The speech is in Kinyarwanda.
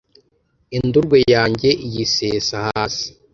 indurwe yanjye iyisesa hasi